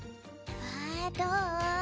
わあどう？